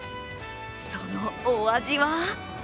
そのお味は？